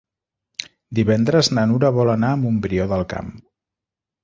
Divendres na Nura vol anar a Montbrió del Camp.